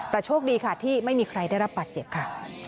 แต่โชคดีค่ะที่ไม่มีใครได้รับบาดเจ็บค่ะ